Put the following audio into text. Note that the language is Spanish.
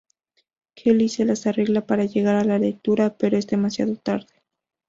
Kelly se las arregla para llegar a la lectura, pero es demasiado tarde.